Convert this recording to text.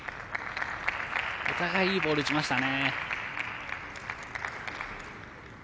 お互いいいボール、打ちましたね。